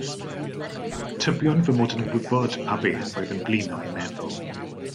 Tybiwn fyd mod yn gwybod pa beth oedd yn blino ei meddwl.